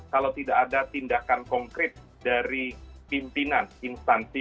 kalau tidak ada tindakan konkret dari pimpinan instansi